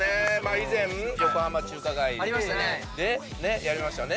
以前横浜中華街やりましたよね